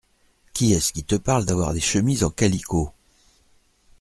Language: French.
Qui est-ce qui te parle d’avoir des chemises en calicot ?